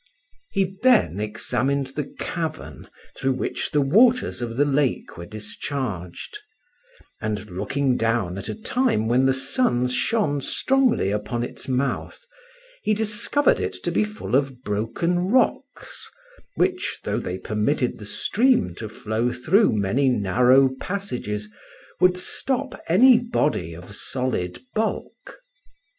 He then examined the cavern through which the waters of the lake were discharged; and, looking down at a time when the sun shone strongly upon its mouth, he discovered it to be full of broken rocks, which, though they permitted the stream to flow through many narrow passages, would stop any body of solid bulk.